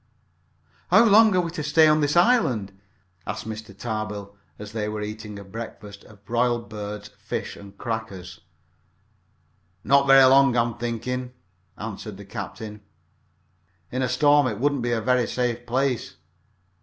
"How long are we to stay on this island?" asked Mr. Tarbill, while they were eating a breakfast of broiled birds, fish, and crackers. "Not very long, I'm thinking," answered the captain. "In a storm it wouldn't be a very safe place.